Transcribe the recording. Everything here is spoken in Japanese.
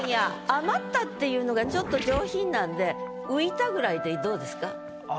「余った」っていうのがちょっと上品なんで「浮いた」ぐらいでどうですか？